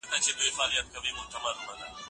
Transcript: استاد شاګرد ته د موضوع په اړه نوې تګلاره وښوده.